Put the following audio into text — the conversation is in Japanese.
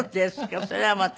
それはまた。